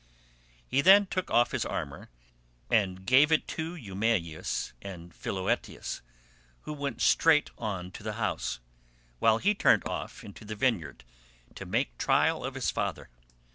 He then took off his armour and gave it to Eumaeus and Philoetius, who went straight on to the house, while he turned off into the vineyard to make trial of his father.